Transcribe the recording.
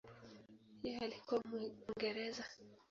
Yeye alikuwa Mwingereza.